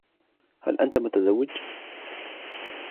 هل انت متزوج ؟